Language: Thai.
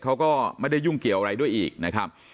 เขาก็ไม่ได้ยุ่งเกี่ยวอะไรด้วยอีกนะครับ